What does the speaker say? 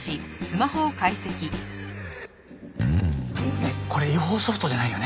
ねえこれ違法ソフトじゃないよね？